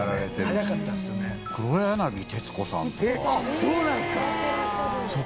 あっそうなんですか？